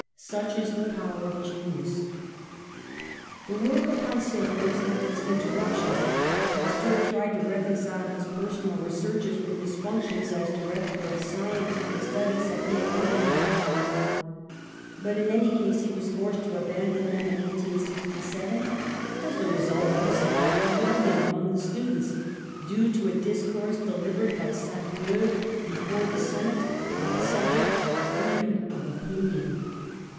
Such is the power of genius. The work upon silk worms had its interrup tions, for Pasteur tried to reconcile his personal researches with his functions as director of sci FOR THE NATIONAL WEALTH 91 entific studies at the Ecole Normale. But in any case he was forced to abandon them in 1867, as the result of a small rebellion among the students, due to a discourse delivered by Sainte Beuve before the Senate on the subject of freedom of opinion.